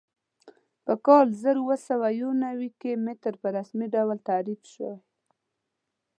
په کال زر اووه سوه یو نوي کې متر په رسمي ډول تعریف شوی.